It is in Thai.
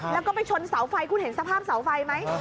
แล้วก็ไปชนเสาไฟคุณเห็นสภาพเสาไฟไหม